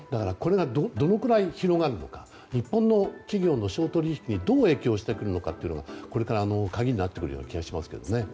これがどのくらい広がるのか日本の企業の商取引にどう影響してくるのかがこれから鍵になってくるような気がします。